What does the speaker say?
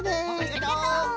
ありがとう！